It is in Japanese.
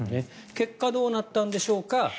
結果どうなったんでしょうか。